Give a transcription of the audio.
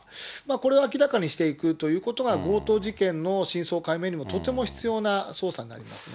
これを明らかにしていくということが、強盗事件の真相解明にもとても必要な捜査になりますね。